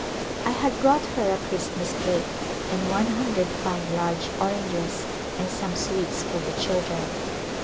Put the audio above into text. I had brought her a Christmas cake and one hundred fine large oranges and some sweets for the children.